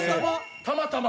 たまたま？